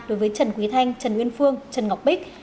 đối với trần quý thanh trần nguyên phương trần ngọc bích